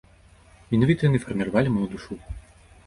Менавіта яны фарміравалі маю душу.